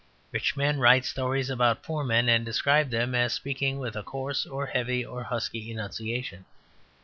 Rich men write stories about poor men, and describe them as speaking with a coarse, or heavy, or husky enunciation.